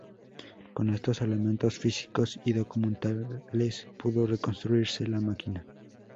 Con estos elementos físicos y documentales pudo reconstruirse la máquina.